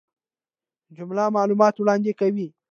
جمله معلومات وړاندي کوي.